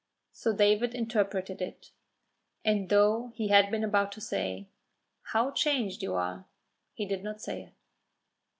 So David interpreted it, and though he had been about to say, "How changed you are!" he did not say it.